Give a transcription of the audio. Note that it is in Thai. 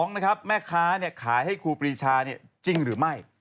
๒นะครับแม่ค้าเนี่ยขายให้ครูปีชาเนี่ยจริงหรือไม่